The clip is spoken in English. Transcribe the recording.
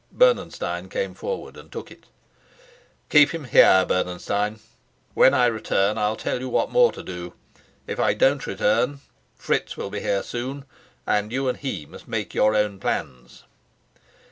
Bernenstein came forward and took it. "Keep him here, Bernenstein. When I return I'll tell you what more to do. If I don't return, Fritz will be here soon, and you and he must make your own plans."